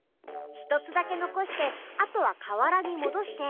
１つだけのこしてあとは河原にもどして。